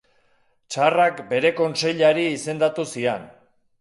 Tsarrak bere kontseilari izendatu zian.